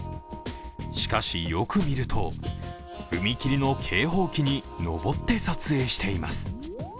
しかし、よく見ると踏切の警報機にのぼって撮影しています。